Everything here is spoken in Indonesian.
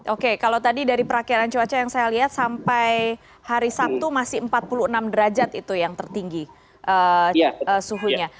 oke kalau tadi dari perakhiran cuaca yang saya lihat sampai hari sabtu masih empat puluh enam derajat itu yang tertinggi suhunya